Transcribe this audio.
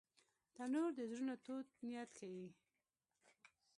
تنور د زړونو تود نیت ښيي